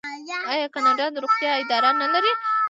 آیا کاناډا د روغتیا اداره نلري؟